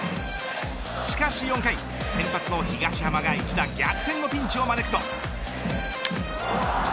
しかし４回、先発の東浜が一打逆転のピンチを招くと。